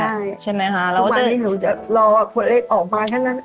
ทุกวันนี้หนูจะรอผลเลขออกมา